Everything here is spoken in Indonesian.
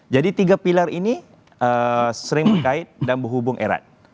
jadi tiga pilar ini sering berkait dan berhubung erat